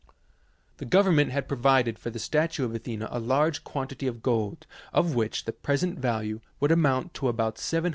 The government had provided for the statue of Athena a large quantity of gold of which the present value would amount to about $750,000.